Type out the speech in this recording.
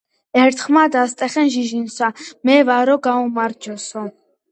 ერთხმად ასტეხენ ჟიჟინსა:"მე ვარო გაუმარჯოსო"